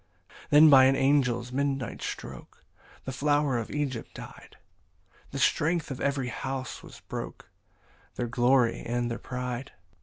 13 Then by an angel's midnight stroke, The flower of Egypt dy'd; The strength of every house was broke, Their glory and their pride.